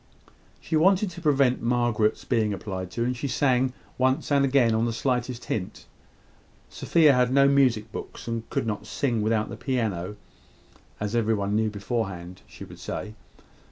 She wanted to prevent Margaret's being applied to, and she sang, once and again, on the slightest hint. Sophia had no music books, and could not sing without the piano, as every one knew beforehand she would say.